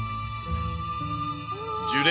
樹齢